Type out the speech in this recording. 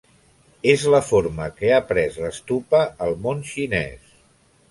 És la forma que ha pres l'stupa al món xinès.